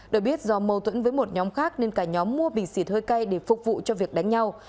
được biết do mâu thuẫn với một nhóm khác nên cả nhóm mua bình xịt hơi cay để phục vụ cho việc đánh nhau